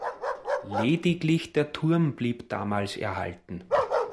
Lediglich der Turm blieb damals erhalten.